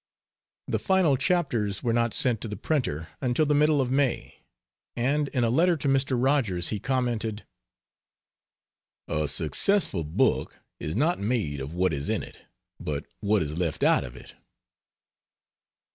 The final chapters were not sent to the printer until the middle of May, and in a letter to Mr. Rogers he commented: "A successful book is not made of what is in it, but what is left out of it."